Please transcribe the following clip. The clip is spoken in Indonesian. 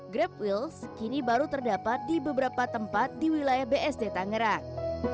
grab wheels kini baru terdapat di beberapa tempat di wilayah bsd tangerang